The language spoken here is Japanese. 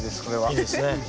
いいですね。